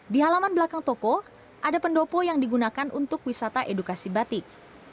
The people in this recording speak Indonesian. di halaman belakang toko ada pendopo yang digunakan untuk wisata edukasi batik